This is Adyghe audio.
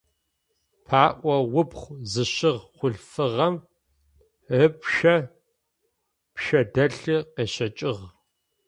Пэӏо убгъу зыщыгъ хъулъфыгъэм ыпшъэ пшъэдэлъи къещэкӏыгъ.